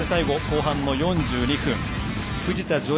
後半の４２分藤田譲